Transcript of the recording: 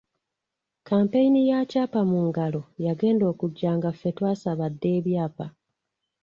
Kkampeyini ya ‘Kyapa mu Ngalo’ yagenda okujja nga ffe twasaba dda ebyapa.